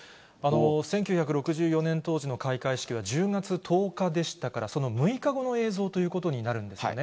１９６４年当時の開会式は、１０月１０日でしたから、その６日後の映像ということになるんですよね。